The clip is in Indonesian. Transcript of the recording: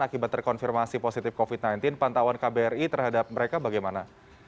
akibat terkonfirmasi positif covid sembilan belas pantauan kbri terhadap mereka bagaimana